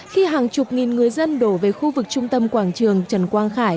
khi hàng chục nghìn người dân đổ về khu vực trung tâm quảng trường trần quang khải